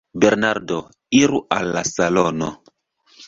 Bernardo: Iru al la salono.